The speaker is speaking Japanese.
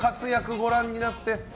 ご覧になって。